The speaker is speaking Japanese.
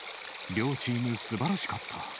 両チームすばらしかった。